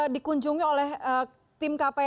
dikunjungi oleh tim kpai